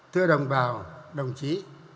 thưa đồng bào đồng chí